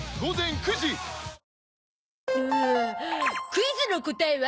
クイズの答えは？